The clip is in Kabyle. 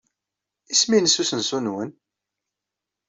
Isem-nnes usensu-nwen?